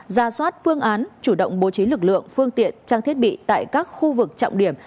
ra soát phương án chủ động bố trí lực lượng phương tiện trang thiết bị tại các khu vực trọng điểm